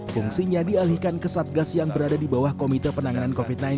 fungsinya dialihkan ke satgas yang berada di bawah komite penanganan covid sembilan belas